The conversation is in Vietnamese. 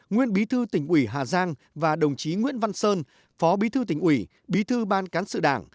nguyên bí thư tỉnh ủy hà giang và đồng chí nguyễn văn sơn phó bí thư tỉnh ủy bí thư ban cán sự đảng